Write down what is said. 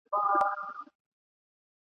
پرېږده چي دا سره لمبه په خوله لري..